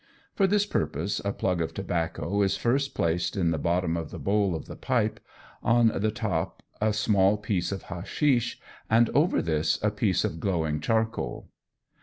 For this purpose, a plug of tobacco is first placed at the bottom of the bowl of the pipe, on the top a small piece of hashish, and over this a piece of glowing charcoal.